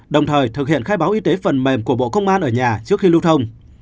đồng thời thực hiện khai báo y tế phần mềm của bộ công an ở nhà trước khi lưu thông